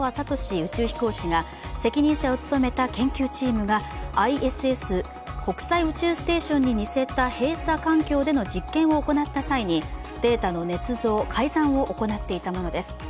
宇宙飛行士が責任者を務めた研究チームがＩＳＳ＝国際宇宙ステーションに似せた閉鎖環境での実験を行った際にデータのねつ造・改ざんを行っていたものです。